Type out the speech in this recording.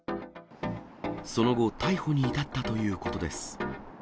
その後、逮捕に至ったということです。